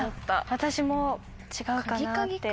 私も違うかなって。